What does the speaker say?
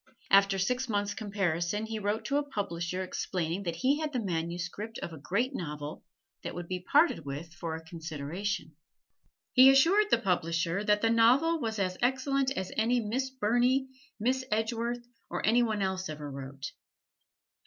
After six months' comparison he wrote to a publisher explaining that he had the manuscript of a great novel that would be parted with for a consideration. He assured the publisher that the novel was as excellent as any Miss Burney, Miss Edgeworth, or any one else ever wrote.